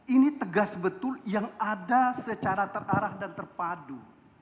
ini tegas betul yang ada secara terarah dan terpadu